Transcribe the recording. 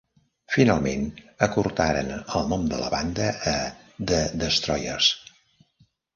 Finalment, acurtaren el nom de la banda a The Destroyers.